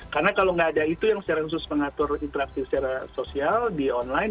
karena kalau nggak ada itu yang secara khusus mengatur interaksi secara sosial di online